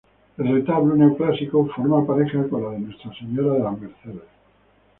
El retablo, neoclásico, forma pareja con el de Nuestra Señora de Las Mercedes.